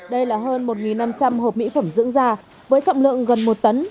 đây là hơn một năm trăm linh hộp mỹ phẩm dưỡng da với trọng lượng gần một tấn